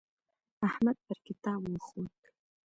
احمد پر کتاب وخوت.